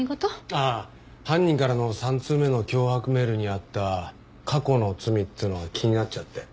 ああ犯人からの３通目の脅迫メールにあった「過去の罪」っつうのが気になっちゃって。